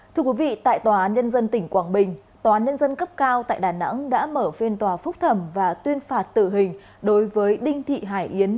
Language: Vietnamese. thưa quý vị tại tòa án nhân dân tỉnh quảng bình tòa án nhân dân cấp cao tại đà nẵng đã mở phiên tòa phúc thẩm và tuyên phạt tử hình đối với đinh thị hải yến